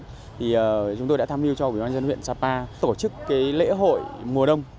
thì chúng tôi đã tham hiu cho ủy ban dân huyện sapa tổ chức lễ hội mùa đông